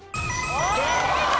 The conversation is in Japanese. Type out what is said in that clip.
正解！